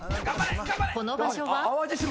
この場所は？